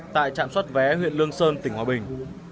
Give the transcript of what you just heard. tại trạm soát vé huyện đương sơn tỉnh hòa bình